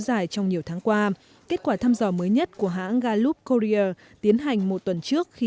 dài trong nhiều tháng qua kết quả thăm dò mới nhất của hãng galup corier tiến hành một tuần trước khi